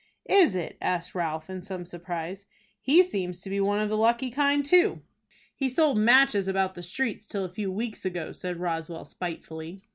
"Is it?" asked Ralph, in some surprise. "He seems to be one of the lucky kind too." "He sold matches about the streets till a few weeks ago," said Roswell, spitefully.